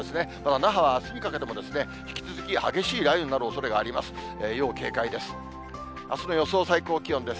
那覇はあすにかけても、引き続き激しい雷雨になるおそれがあります。